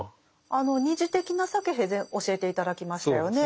あの「二次的なサケヘ」で教えて頂きましたよね。